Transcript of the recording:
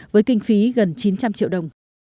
với kinh phí gần chín trăm linh triệu đồng